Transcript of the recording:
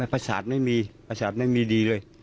ประสาทไม่มีประสาทไม่มีดีเลย